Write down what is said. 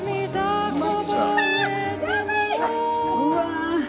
うわ。